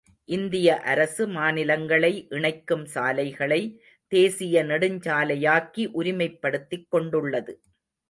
இந்திய அரசு, மாநிலங்களை இணைக்கும் சாலைகளை, தேசீய நெடுஞ்சாலையாக்கி உரிமைப்படுத்திக் கொண்டுள்ளது.